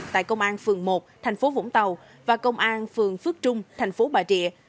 tại công an phường một thành phố vũng tàu và công an phường phước trung thành phố bà rịa